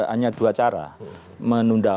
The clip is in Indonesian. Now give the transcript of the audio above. hanya dua cara menunda